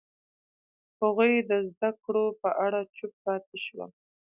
هغوی د زده کړو په اړه چوپ پاتې شول.